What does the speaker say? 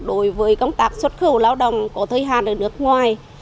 đối với công tác xuất khẩu lao động có thời hạn ở nước ngoài